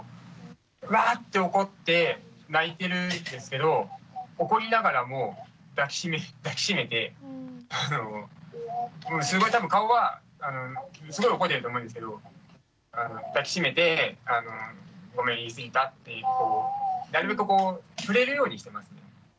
わって怒って泣いてるんですけど怒りながらも抱き締めてすごい多分顔はすごい怒ってると思うんですけど抱き締めて「ごめん言い過ぎた」ってなるべくこう触れるようにしてますね。